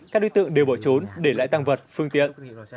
các đối tượng đều bỏ trốn để lại tăng vật phương tiện